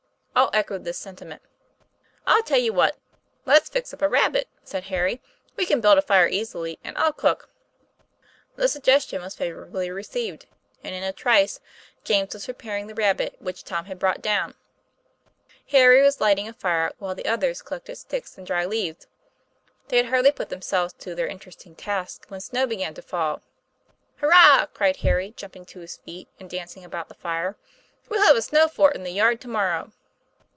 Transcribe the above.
All echoed this sentiment. "I tell you what; let's fix up a rabbit," said Harry; 'we can build a fire easily, and I'll cook." The suggestion was favorably received, and in a trice James was preparing the rabbit which Tom had brought down; Harry was lighting a fire, while the others collected sticks and dry leaves. They had hardly put themselves to their interesting task, when snow began to fall. 'Hurrah!" cried Harry, jumping to his feet, and dancing about the fire, "we'll have a snow fort in the yard to morrow."